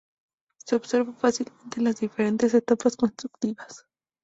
Se observa fácilmente las diferentes etapas constructivas.